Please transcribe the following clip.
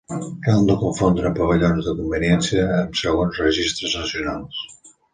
Cal no confondre pavellons de conveniència amb segons registres nacionals.